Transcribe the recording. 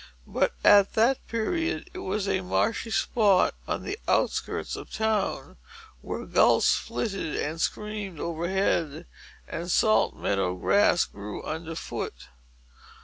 But, at that period, it was a marshy spot on the outskirts of the town, where gulls flitted and screamed overhead, and salt meadow grass grew under foot.